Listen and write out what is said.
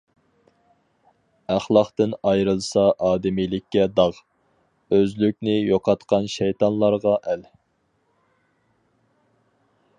ئەخلاقتىن ئايرىلسا ئادىمىيلىككە داغ، ئۆزلۈكنى يوقاتقان شەيتانلارغا ئەل.